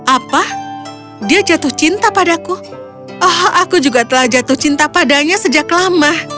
apa dia jatuh cinta padaku oh aku juga telah jatuh cinta padanya sejak lama